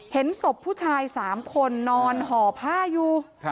เห็นศพผู้ชาย๓คนนอนห่อผ้าอยู่